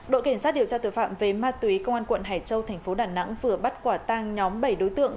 đội cảnh sát điều tra tội phạm về ma túy công an quận hải châu thành phố đà nẵng vừa bắt quả tang nhóm bảy đối tượng